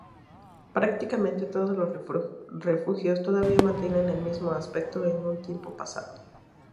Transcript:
Prácticamente todos los refugios todavía mantienen el mismo aspecto que en tiempos pasados.